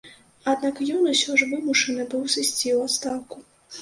Аднак ён усё ж вымушаны быў сысці ў адстаўку.